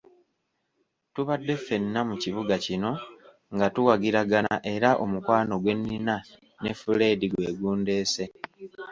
Tubadde ffena mu kibuga kino nga tuwagiragana era omukwano gwe nnina ne Fred gwe gundeese.